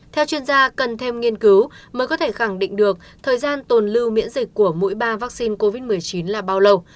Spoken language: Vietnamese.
theo chuyên gia cần thêm nghiên cứu mới có thể khẳng định được thời gian tồn lưu miễn dịch của mỗi ba vaccine covid một mươi chín là bao lâu